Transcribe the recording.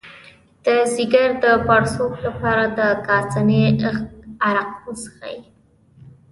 د ځیګر د پړسوب لپاره د کاسني عرق وڅښئ